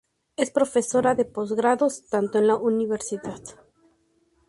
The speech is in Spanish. Es profesora de postgrados, tanto en la Univ.